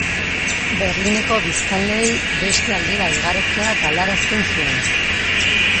Berlineko biztanleei beste aldera igarotzea galarazten zuen.